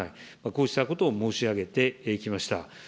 こうしたことを申し上げてきました。